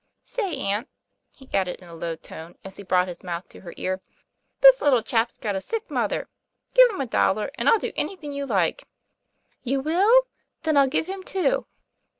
Say, aunt," he added in a low tone, as he brought his mouth to her ear, "this little chap's got a sick mother. Give him a dollar and I'll do anything you like." "You will? Then I'll give him two."